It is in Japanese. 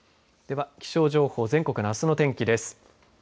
では、気象情報全国のあすの天気です。